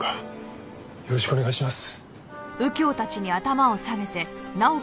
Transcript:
よろしくお願いします。